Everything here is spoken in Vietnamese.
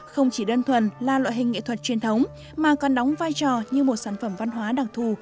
không chỉ đơn thuần là loại hình nghệ thuật truyền thống mà còn đóng vai trò như một sản phẩm văn hóa đặc thù